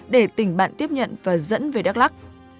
để tỉnh bạn tiếp nhận và dẫn về đắk lắc